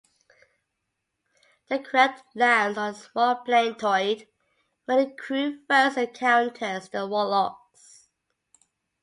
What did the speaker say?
The craft lands on a small planetoid, where the crew first encounters the Wolochs.